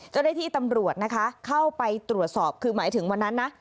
เจ้าหน้าที่ตำรวจนะคะเข้าไปตรวจสอบคือหมายถึงวันนั้นนะ